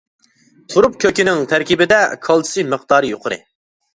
تۇرۇپ كۆكىنىڭ تەركىبىدە كالتسىي مىقدارى يۇقىرى.